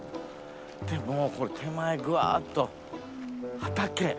でもうこれ手前ぶわっと畑。